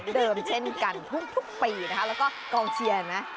เช่นกันทุกปีนะคะแล้วก็กองเชียร์นะ